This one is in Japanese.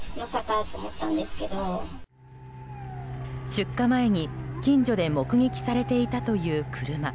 出火前に近所で目撃されていたという車。